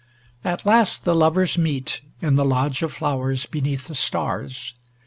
At last the lovers meet, in the lodge of flowers beneath the stars.